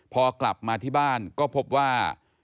พอกลับมาที่บ้านก็พบว่า